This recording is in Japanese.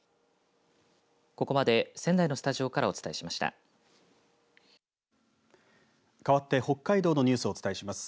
ここまで仙台のスタジオからお伝えしました。